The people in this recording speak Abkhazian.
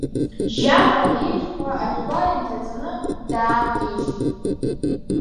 Жьакәа, ижәқәа ажәгәар инҭаҵаны, даақәгьежьит.